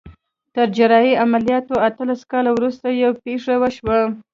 تر جراحي عمليات اتلس کاله وروسته يوه پېښه وشوه.